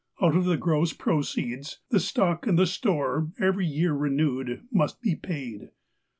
Out of the gross proceeds, the stock in the store, every year renewed, must be paid.